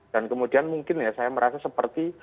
dan kemudian mungkin ya saya merasa seperti